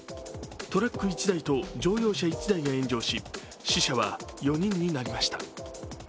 トラック１台と乗用車１台が炎上し、死者は４人になりました。